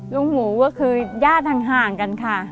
ลุงหมูก็คือญาติทางห่างกันค่ะ